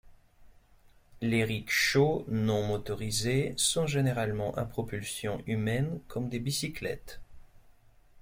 Les rickshaws non-motorisés sont généralement à propulsion humaine, comme des bicyclettes.